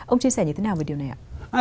ông chia sẻ như thế nào về điều này ạ